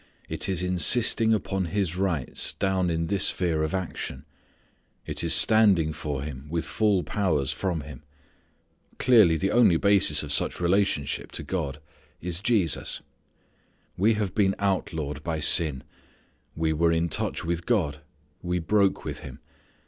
It is insisting upon His rights down in this sphere of action. It is standing for Him with full powers from Him. Clearly the only basis of such relationship to God is Jesus. We have been outlawed by sin. We were in touch with God. We broke with Him.